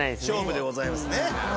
勝負でございますね。